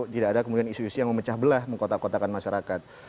tidak ada kemudian isu isu yang memecah belah mengkotak kotakan masyarakat